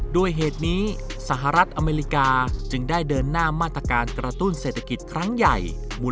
ด้วยเหตุนี้สหรัฐอเมริกาจึงได้เดินหน้ามาตรการกระตุ้นเศรษฐกิจครั้งใหญ่